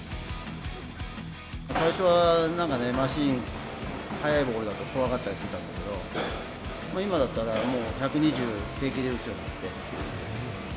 最初はなんかね、マシン、速いボールだと怖がってたりしてたんだけど、今だったらもう１２０平気で打つようになってますよね。